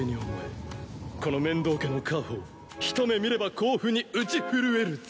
この面堂家の家宝一目見れば興奮に打ち震えるぞ。